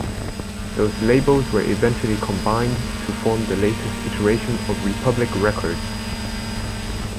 Those labels were eventually combined to form the latest iteration of Republic Records.